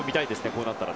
こうなったら。